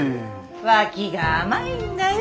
脇が甘いんだよ